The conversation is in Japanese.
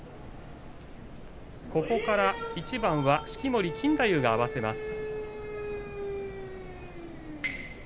ここから一番は式守錦太夫が合わせます。